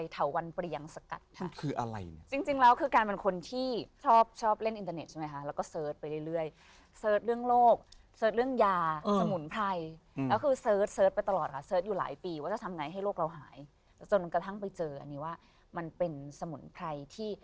การเป็นคนที่ชอบเล่นอินเทอร์เนตใช่ไหมคะแล้วก็เสิร์ทไปเรื่อย